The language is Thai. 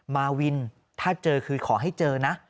มาวินถ้าเจอคือขอให้เจอนะ